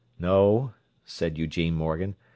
"No," said Eugene Morgan.